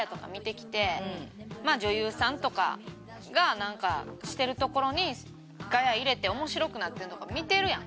まあ女優さんとかがなんかしてるところにガヤ入れて面白くなってるのとか見てるやん。